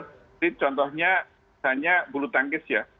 jadi contohnya misalnya bulu tangkis ya